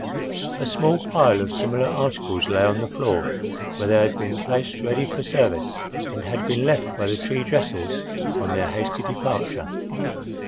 A small pile of similar articles lay on the floor, where they had been placed ready for service and had been left by the tree dressers on their hasty departure.